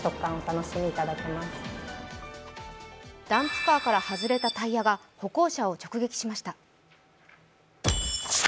ダンプカーから外れたタイヤが歩行者を直撃しました。